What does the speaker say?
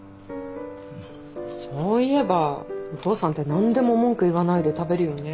そういえばお父さんって何でも文句言わないで食べるよね。